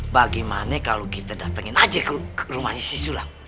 bagaimana kalau kita datengin aja ke rumahnya si sulang